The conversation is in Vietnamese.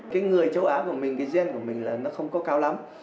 cái người châu á của mình cái gen của mình là nó không có cao lắm